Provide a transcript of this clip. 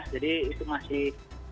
jadi itu masih ya